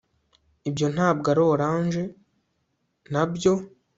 ibyo ntabwo ari orange, nabyo